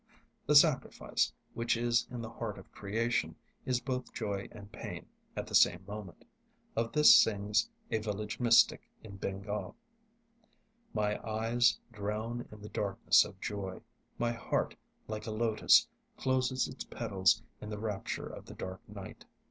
The sacrifice, which is in the heart of creation, is both joy and pain at the same moment. Of this sings a village mystic in Bengal: My eyes drown in the darkness of joy, My heart, like a lotus, closes its petals in the rapture of the dark night.